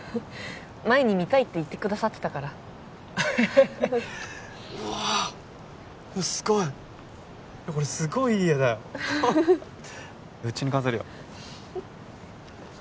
前に見たいって言ってくださってたからうわあすごいこれすごいいい絵だようちに飾るよ